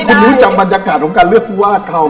คุณนุ้ยจำบรรยากาศของการเลือกผู้วาดเขา